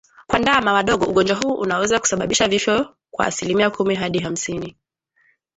Kwa ndama wadogo ugonjwa huu unaweza kusababisha vifo kwa asilimia kumi hadi hamsini